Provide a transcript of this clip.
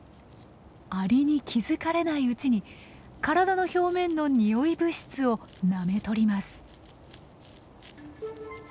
アリに気付かれないうちに体の表面の匂い物質をなめとります。